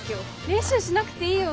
練習しなくていいよ。